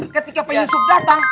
ketika penyusup datang